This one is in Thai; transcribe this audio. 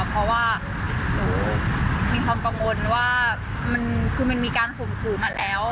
เพราะว่าหนูมีความกังวลว่ามันคือมันมีการข่มขู่มาแล้ว